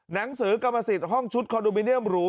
หนังสือกรรมสิทธิ์ห้องชุดคอนโดมิเนียมหรู